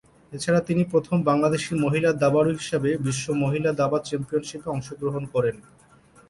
এছাড়া তিনি প্রথম বাংলাদেশী মহিলা দাবাড়ু হিসেবে বিশ্ব মহিলা দাবা চ্যাম্পিয়নশিপে অংশগ্রহণ করেন।